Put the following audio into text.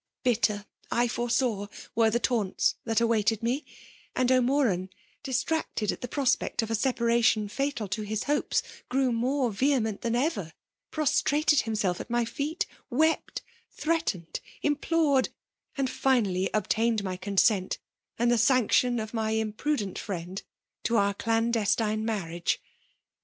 Bitter, I fore saw, were the taunts that awaited me; and O'Moran, distracted at the prospect of a w* paration fatal to his hopes, grew more vehe ment than ever, — ^prostrated himself at wf feet, — wept, r threatened, — implored* and finally obtained my consent, and the aanctioB of my imprudent friend, to our dandestine marriage.